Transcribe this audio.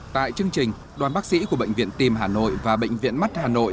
tại chương trình đoàn bác sĩ của bệnh viện tim hà nội và bệnh viện mắt hà nội